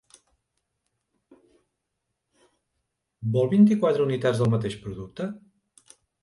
Vol vint-i-quatre unitats del mateix producte?